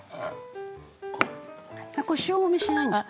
これ塩もみしないんですか？